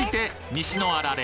西のあられ